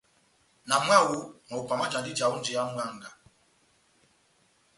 Na mwáho, mahupa majandini ija ó njeya mwángá.